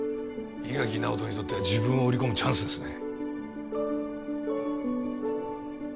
伊垣尚人にとっては自分を売り込むチャンスですね